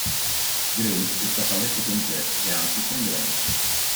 Grace è stata a letto con Jack, e anche con Grant.